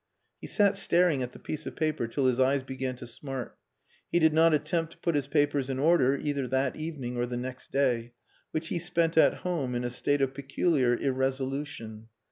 He sat staring at the piece of paper till his eyes began to smart. He did not attempt to put his papers in order, either that evening or the next day which he spent at home in a state of peculiar irresolution.